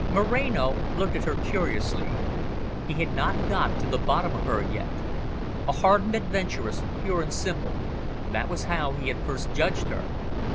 Moreno looked at her curiously. He had not got to the bottom of her yet. A hardened adventuress, pure and simple that was how he had first judged her.